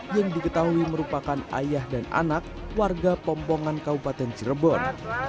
yang diketahui merupakan ayah dan anak warga pompongan kabupaten cirebon